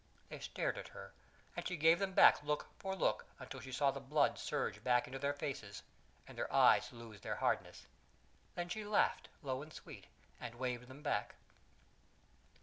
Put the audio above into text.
They stared at her, and she gave them back look for look until she saw the blood surge back to their faces and their eyes lose their hardness. Then she laughed, low and sweet, and waved them back.